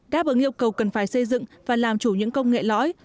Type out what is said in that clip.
đáp ứng yêu cầu cần phải xây dựng và làm chủ những công nghệ lõi